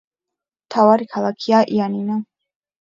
მთავარი ქალაქია იანინა.